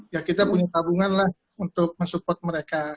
ya kita punya tabungan lah untuk mensupport mereka